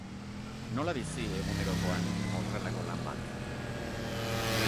Nola bizi egunerokoan horrelako lan bat?